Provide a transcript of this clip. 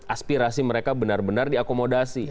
aspirasi mereka benar benar diakomodasi